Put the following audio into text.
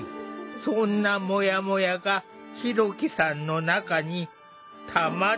そんなモヤモヤがひろきさんの中にたまっていった。